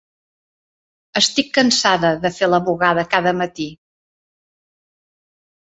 Estic cansada de fer la bugada cada matí.